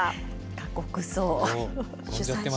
過酷そう。